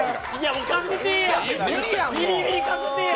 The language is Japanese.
もう確定や。